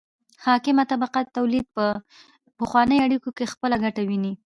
حاکمه طبقه د تولید په پخوانیو اړیکو کې خپله ګټه ویني.